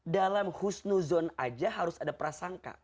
dalam husnuzon aja harus ada prasangka